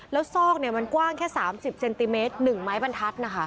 แล้วซอกมันกว้างแค่๓๐เซนติเมตร๑ไม้บรรทัศน์นะคะ